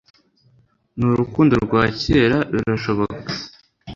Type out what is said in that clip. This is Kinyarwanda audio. Ni urukundo rwa kera birashoboka